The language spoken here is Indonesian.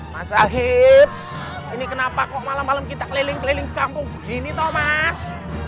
mas sadiq ini kenapa kok malam malam kita keliling keliling kampung ini jumpas